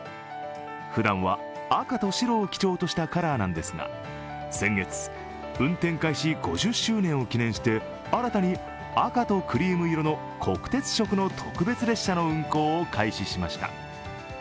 ふだんは赤と白を基調としたカラーなんですが先月、運転開始５０周年を記念して新たに赤とクリーム色の国鉄色の特別列車の運行を開始しました。